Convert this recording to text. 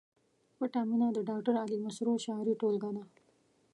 پټه مینه د ډاکټر علي مسرور شعري ټولګه ده